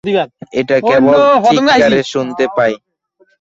এটা কেবল চিৎকারে শুনতে পায়।